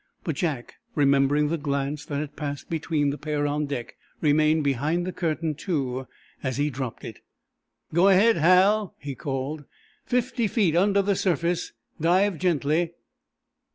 But Jack, remembering the glance that had passed between the pair on deck, remained behind the curtain, too, as he dropped it. "Go ahead, Hal!" he called. "Fifty feet under the surface. Dive gently."